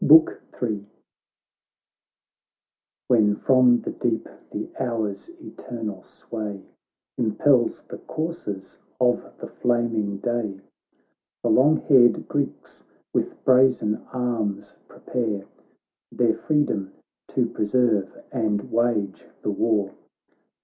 BOOK in When from the deep the hour's eternal sway Impels the coursers of the flaming day. The long haired Greeks with brazen arms prepare Their freedom to preserve and wage the war.